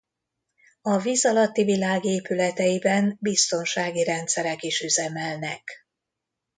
A víz alatti világ épületeiben biztonsági rendszerek is üzemelnek.